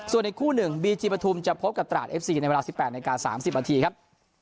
ส่วนอีกคู่หนึ่งบีจีปฐุมจะพบกับตราดเอฟซีในเวลา๑๘นาที๓๐นาทีครับ